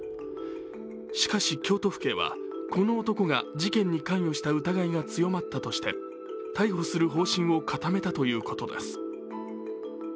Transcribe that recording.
しかし、京都府警はこの男が事件に関与した疑いが強まったとして逮捕する方針を固めたということです。